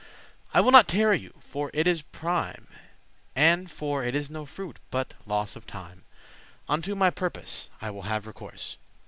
I will not tarry you, for it is prime, And for it is no fruit, but loss of time; Unto my purpose* I will have recourse.